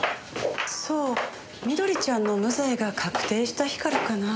そう美登里ちゃんの無罪が確定した日からかな。